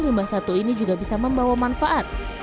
limbah satu ini juga bisa membawa manfaat